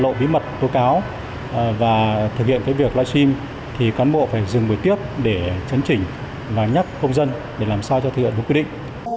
trong quy định này thì không có cái từ cấm live stream mà trong quá trình có thể làm lọt tố cáo và thực hiện cái việc live stream thì cán bộ phải dừng buổi tiếp để chấn chỉnh và nhắc công dân để làm sao cho thực hiện một quy định